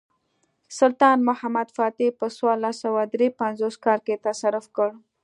سلطان محمد فاتح په څوارلس سوه درې پنځوس کال کې تصرف کړ.